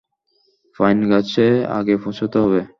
Pine গাছে আগে পৌঁছতে হবে।